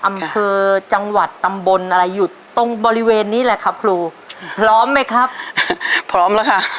อำเภอจังหวัดตำบลอะไรอยู่ตรงบริเวณนี้แหละครับครูพร้อมไหมครับพร้อมแล้วค่ะ